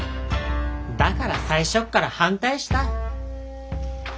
だから最初っから反対した。